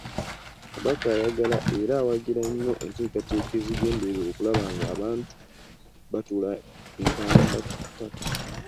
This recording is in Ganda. Kabaka ayagala era awagira nnyo enteekateeka ezigenderera okulaba ng’abantu be batuula ntende ku ttaka.